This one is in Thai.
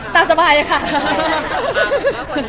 ตามสบายเลยค่ะ